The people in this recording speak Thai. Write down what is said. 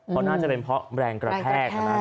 เพราะน่าจะเป็นเพราะแรงกระแทก